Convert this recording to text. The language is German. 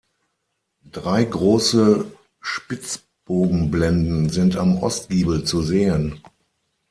Drei große Spitzbogenblenden sind am Ostgiebel zu sehen.